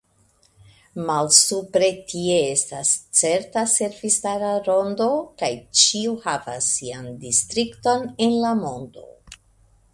Malsupre tie estas certa servistara rondo, kaj ĉiu havas sian distrikton en la mondo.